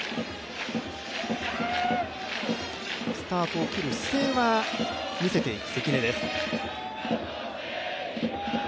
スタートを切る姿勢は見せていく関根です。